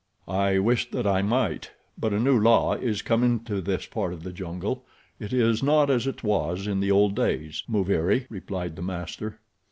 "I wish that I might; but a new law is come into this part of the jungle. It is not as it was in the old days, Muviri," replied the master.